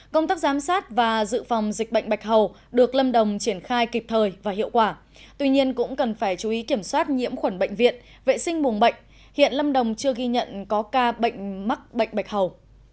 công tác giám sát và dự phòng dịch bệnh bạch hầu được lâm đồng triển khai kịp thời và hiệu quả tuy nhiên cũng cần phải chú ý kiểm soát nhiễm khuẩn bệnh viện vệ sinh buồng bệnh hiện lâm đồng chưa ghi nhận có ca bệnh mắc bệnh bạch hầu